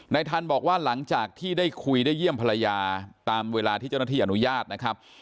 ทันบอกว่าหลังจากที่ได้คุยได้เยี่ยมภรรยาตามเวลาที่เจ้าหน้าที่อนุญาตนะครับ